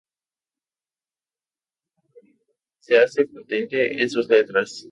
Esta dualidad se hace patente en sus letras.